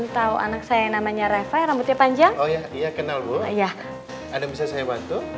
tahu anak saya yang namanya reva rambutnya panjang oh iya iya kenal bu ayah ada bisa saya bantu